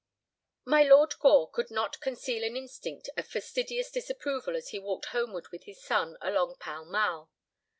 VI My Lord Gore could not conceal an instinct of fastidious disapproval as he walked homeward with his son along Pall Mall.